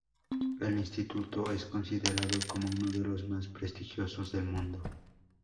El instituto es considerado como uno de los más prestigiosos del mundo.